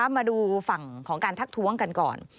มาดูฝั่งของการทักท้วงกันก่อน